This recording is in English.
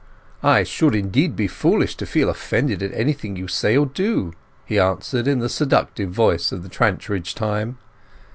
"I should indeed be foolish to feel offended at anything you say or do," he answered, in the seductive voice of the Trantridge time.